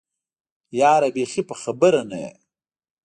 يره بېخي په خبره نه يې.